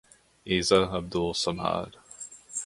Isa Abdul Samad.